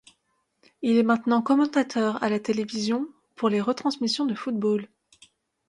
Il est maintenant commentateur à la télévision pour les retransmissions de football.